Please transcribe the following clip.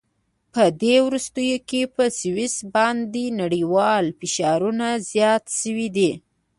په دې وروستیو کې په سویس باندې نړیوال فشارونه زیات شوي دي.